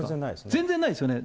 全然ないですね。